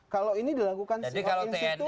kalau ini dilakukan sebagai institusi